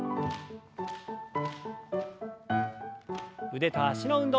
腕と脚の運動。